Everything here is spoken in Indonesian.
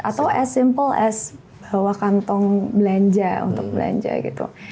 atau as simple as bawa kantong belanja untuk belanja gitu